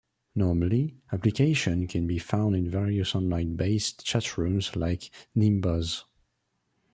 Normally, applications can be found in various online based chat rooms like Nimbuzz.